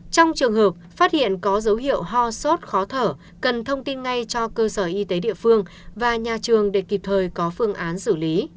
trong trường hợp phát hiện có dấu hiệu ho sốt khó thở cần thông tin ngay cho cơ sở y tế địa phương và nhà trường để kịp thời có phương án xử lý